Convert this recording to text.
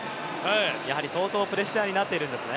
やはり相当プレッシャーになってるんですね。